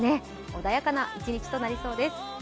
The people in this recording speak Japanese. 穏やかな一日となりそうです。